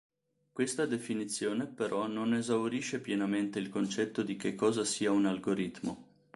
Questa definizione però non esaurisce pienamente il concetto di che cosa sia un algoritmo.